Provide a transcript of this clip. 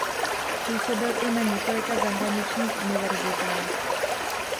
Působil i na několika zahraničních univerzitách.